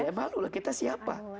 ya malu lah kita siapa